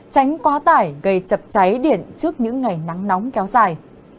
tránh quá tải gây chập cháy điện trước những ngày nắng nóng kéo dài